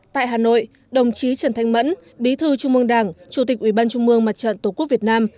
tại hà nội đồng chí trần thanh mẫn bí thư trung mương đảng chủ tịch ủy ban trung mương mặt trận tổ quốc việt nam